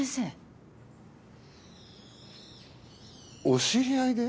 お知り合いで？